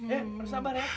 ya harus sabar ya